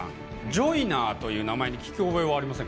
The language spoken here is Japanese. ジョイナーという名前に聞き覚えないですか？